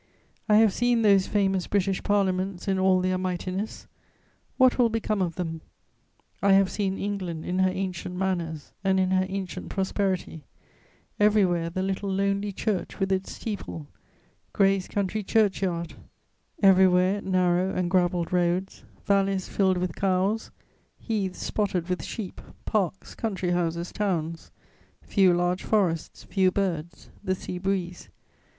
I have seen those famous British parliaments in all their mightiness: what will become of them? I have seen England in her ancient manners and in her ancient prosperity: everywhere the little lonely church with its steeple, Gray's country churchyard, everywhere narrow and gravelled roads, valleys filled with cows, heaths spotted with sheep, parks, country houses, towns; few large forests, few birds, the sea breeze.